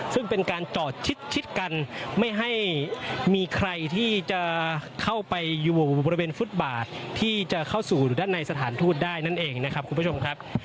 ซึ่งเป็นการจอดชิดกันไม่ให้มีใครที่จะเข้าไปอยู่บริเวณฟุตบาทที่จะเข้าสู่ด้านในสถานทูตได้นั่นเองนะครับคุณผู้ชมครับ